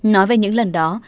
nói về những lần đó